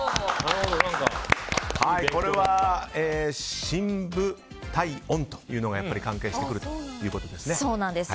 これは深部体温というのがやっぱり関係してくるそうなんです。